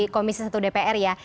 komisi satu dpr ya